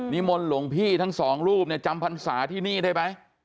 มนต์หลวงพี่ทั้งสองรูปเนี่ยจำพรรษาที่นี่ได้ไหม